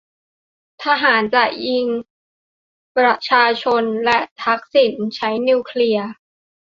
ทหารจะยิงประชาชน และทักษิณอาจใช้นิวเคลียร์ !